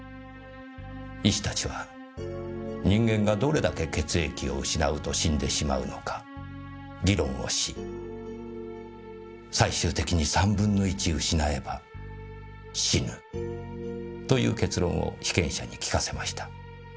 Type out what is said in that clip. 医師たちは人間がどれだけ血液を失うと死んでしまうのか議論をし最終的に３分の１失えば死ぬという結論を被験者に聞かせました。